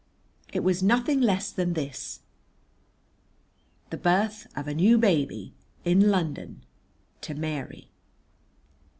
It was nothing less than this, the birth of a new baby in London to Mary.